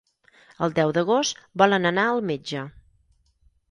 El deu d'agost volen anar al metge.